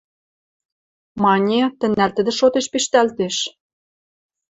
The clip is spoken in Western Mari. – Мане, тӹнӓр тӹдӹ шотеш пиштӓлтеш...